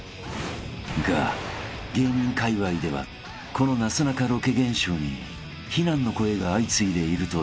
［が芸人かいわいではこのなすなかロケ現象に非難の声が相次いでいるという］